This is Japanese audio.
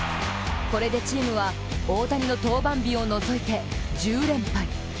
これでチームは大谷の登板日を除いて１０連敗。